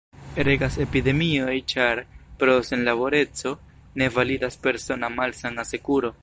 Regas epidemioj ĉar, pro senlaboreco, ne validas persona malsan-asekuro.